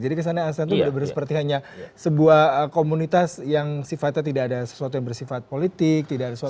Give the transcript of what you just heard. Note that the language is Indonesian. jadi kesannya asean itu benar benar seperti hanya sebuah komunitas yang sifatnya tidak ada sesuatu yang bersifat politik tidak ada sesuatu yang